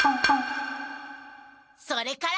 それから。